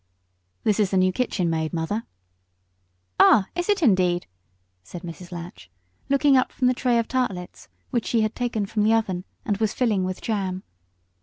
"This is the new kitchen maid, mother." "Ah, is it indeed?" said Mrs. Latch looking up from the tray of tartlets which she had taken from the oven and was filling with jam.